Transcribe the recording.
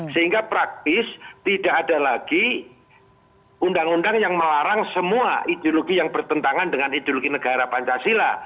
sehingga praktis tidak ada lagi undang undang yang melarang semua ideologi yang bertentangan dengan ideologi negara pancasila